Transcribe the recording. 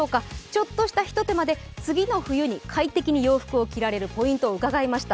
ちょっとしたひと手間に次の冬に快適に着られるポイントを伺いました。